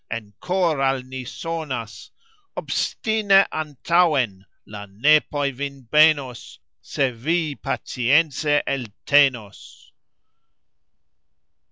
en kor' al ni sonas: "Obstine antauxen! La nepoj vin benos, Se vi pacience eltenos."